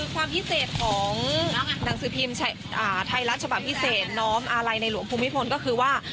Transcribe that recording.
ความพิเศษของหนังสือพิมพ์ไทยรัฐฉบับพิเศษน้อมอาลัยในหลวงภูมิพลก็คือว่า